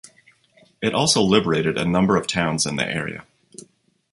It also liberated a number of towns in the area.